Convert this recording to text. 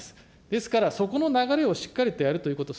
ですからそこの流れをしっかりとやるということ。